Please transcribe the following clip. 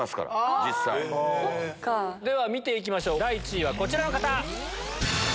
では見て行きましょう第１位はこちらの方。